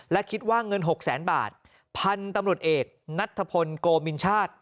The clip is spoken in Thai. และคิดว่าเงินหกแสนบาทพันธุ์ตำรวจเอกนัทธพลโกมินชาติ